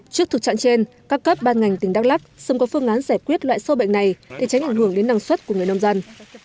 trước thực trạng trên các cấp ban ngành tỉnh đắk lắk xâm có phương án giải quyết loại sâu bệnh này để tránh ảnh hưởng đến năng suất của người nông dân